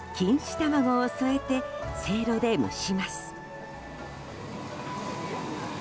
卵を添えてせいろで蒸します。